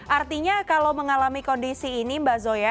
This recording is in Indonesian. artinya kalau mengalami kondisi ini mbak zoya